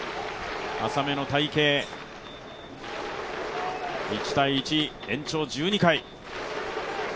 浅めの隊形、１−１、延長１２回。